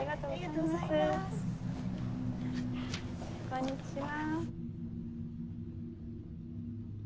・こんにちは。